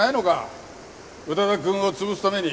宇多田くんを潰すために。